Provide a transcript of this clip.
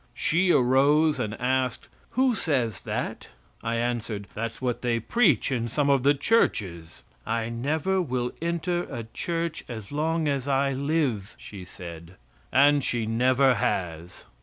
She arose and asked, "Who says that?" I answered, "That's what they preach in some of the churches." "I never will enter a church as long as I live!" she said, and she never has.